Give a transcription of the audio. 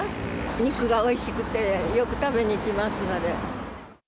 肉がおいしくて、よく食べにきますので。